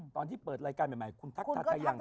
ตอนที่เปิดรายการใหม่คุณทักทายยัง